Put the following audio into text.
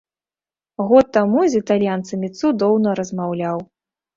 Год таму з італьянцамі цудоўна размаўляў.